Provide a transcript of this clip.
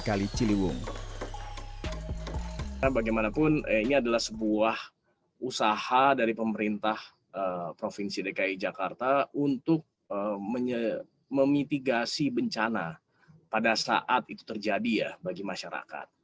karena bagaimanapun ini adalah sebuah usaha dari pemerintah provinsi dki jakarta untuk memitigasi bencana pada saat itu terjadi ya bagi masyarakat